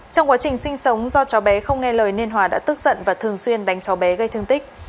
trong quá trình sinh sống do cháu bé không nghe lời nên hòa đã tức giận và thường xuyên đánh cháu bé gây thương tích